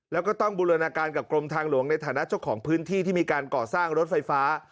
แล้วก็ต้องบูรณาการกับกรมทางหลวงในฐานะเจ้าของพื้นที่ที่มีการก่อสร้างรถไฟฟ้า